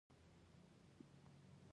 هغه وایي چې د خدای رضا زموږ هدف ده